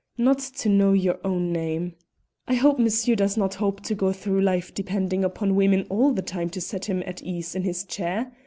Not to know your own name! I hope monsieur does not hope to go through life depending upon women all the time to set him at ease in his chair.